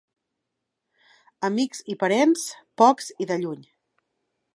Amics i parents, pocs i de lluny.